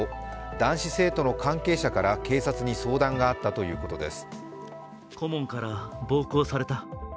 男子生徒の関係者から警察に相談があったということです。